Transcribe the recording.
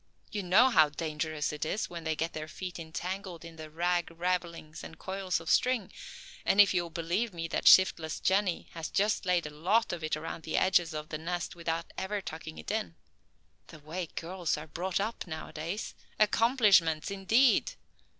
You know how dangerous it is when they get their feet entangled in the rag ravelings and coils of string, and if you'll believe me that shiftless Jenny has just laid a lot of it around the edges of the nest without ever tucking it in. The way girls are brought up now a days! Accomplishments indeed!